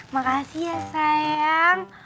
makasih ya sayang